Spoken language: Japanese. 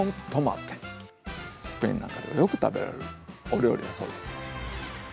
スペインなんかではよく食べられるお料理だそうです。